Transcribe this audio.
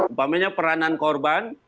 umpamanya peranan korban